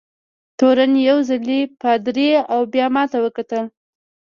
تورن یو ځلي پادري او بیا ما ته وکتل.